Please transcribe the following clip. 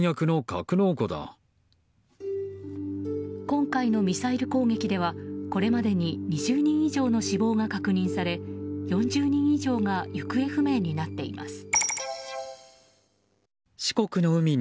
今回のミサイル攻撃ではこれまでに２０人以上の死亡が確認され、４０人以上が行方不明になっています。